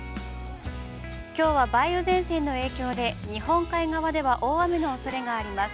きょうは梅雨前線の影響で、日本海側では大雨のおそれがあります。